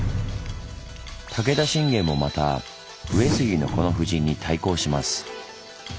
武田信玄もまた上杉のこの布陣に対抗します。